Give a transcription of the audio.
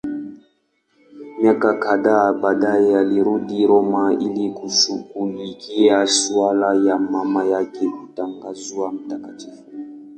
Miaka kadhaa baadaye alirudi Roma ili kushughulikia suala la mama yake kutangazwa mtakatifu.